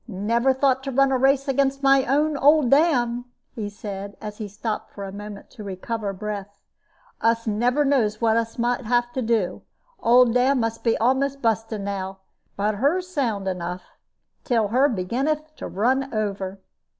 "Never thought to run a race against my own old dam," he said, as he stopped for a moment to recover breath. "Us never knows what us may have to do. Old dam must be a'most busting now. But her's sound enough, till her beginneth to run over."